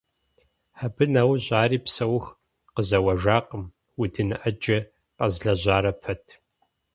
Абы нэужь ари псэуху къызэуэжакъым, удын Ӏэджэ къэзлэжьарэ пэт.